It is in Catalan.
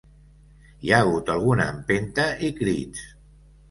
Hi ha hagut alguna empenta i crits.